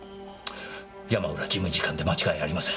山浦事務次官で間違いありません。